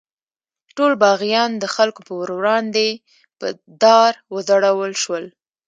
ټول باغیان د خلکو په وړاندې په دار وځړول شول.